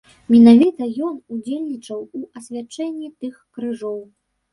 Менавіта ён удзельнічаў у асвячэнні тых крыжоў.